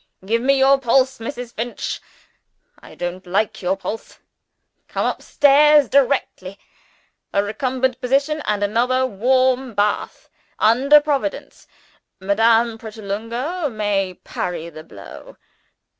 Give me your pulse, Mrs. Finch. I don't like your pulse. Come up stairs directly. A recumbent position, and another warm bath under Providence, Madame Pratolungo! may parry the Blow.